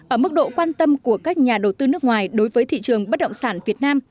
ở mức độ quan tâm của các nhà đầu tư nước ngoài đối với thị trường bất động sản việt nam